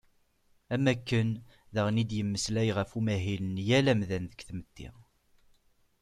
Am wakken, daɣen i d-yemmeslay ɣef umahil n yal amdan deg tmetti.